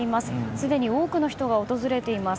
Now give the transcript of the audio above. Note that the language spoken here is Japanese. すでに多くの人が訪れています。